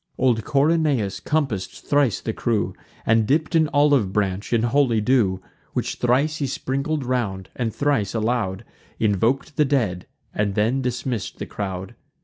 Old Corynaeus compass'd thrice the crew, And dipp'd an olive branch in holy dew; Which thrice he sprinkled round, and thrice aloud Invok'd the dead, and then dismissed the crowd.